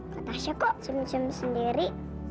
katasnya kok semen semen sendiri